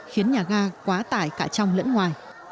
khiến nhà ga quá tải cả trong lẫn ngoài